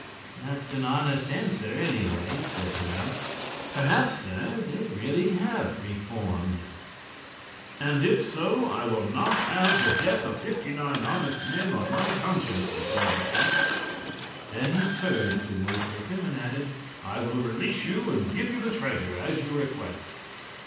"That's an honest answer, anyway," said Nerle. "Perhaps, sir, they have really reformed." "And if so, I will not have the death of fifty nine honest men on my conscience," declared the prince. Then he turned to Wul Takim and added: "I will release you and give you the treasure, as you request.